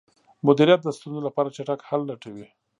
مدیریت د ستونزو لپاره چټک حل لټوي.